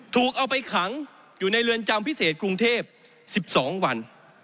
ถูกเอาไปขังอยู่ในเรือนจำพิเศษกรุงเทพ๑๒วัน